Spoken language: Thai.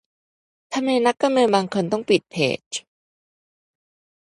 ทำไมนักการเมืองบางคนต้องปิดเพจ?